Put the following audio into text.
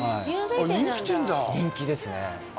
人気店だ人気ですね